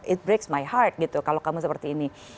it breaks my heart kalau kamu seperti ini